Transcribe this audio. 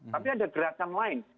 tapi ada gerakan lain